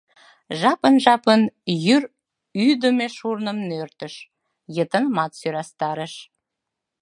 Жапын-жапын йӱр ӱдымӧ шурным нӧртыш, йытынымат сӧрастарыш.